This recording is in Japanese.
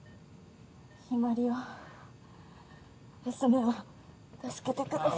日葵を娘を助けてください